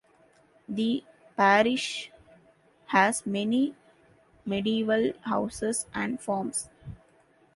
The parish has many medieval houses and farms.